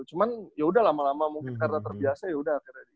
cuman yaudah lama lama mungkin karena terbiasa yaudah